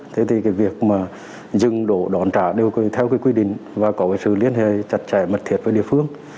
thế thì cái việc mà dừng đổ đón trả đều theo cái quy định và có cái sự liên hệ chặt chẽ mật thiết với địa phương